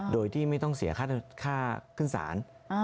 โดยที่ไม่ต้องเสียค่าขึ้นศาล